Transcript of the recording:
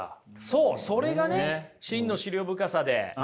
そうそれがね真の思慮深さで。